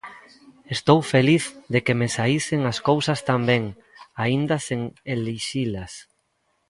Estou feliz de que me saísen as cousas tan ben, aínda sen elixilas.